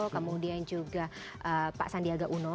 kemudian juga pak sandiaga uno